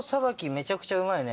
めちゃくちゃうまいね。